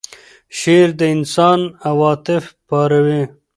شعر د انسان عواطف پاروي.